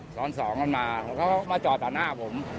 ซ้อน๒กันมามาจ่อตาหน้าผม